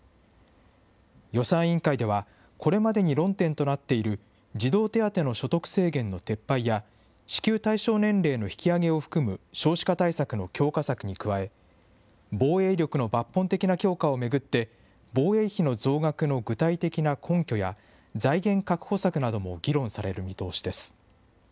予算委員会では、これまでに論点となっている児童手当の所得制限の撤廃や、支給対象年齢の引き上げを含む少子化対策の強化策に加え、防衛力の抜本的な強化を巡って、防衛費の増額の具体的な根拠や、財源確保策なども議論される見通しです。